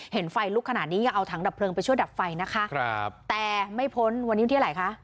เห็นไฟลุกขนาดนี้ยังเอาถังดับเพลิงไปช่วยดับไฟนะคะครับแต่ไม่พ้นวันนี้วันที่อะไรคะ